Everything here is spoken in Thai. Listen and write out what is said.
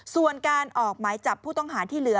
ส่วนการออกหมายจับผู้ต้องหาที่เหลือ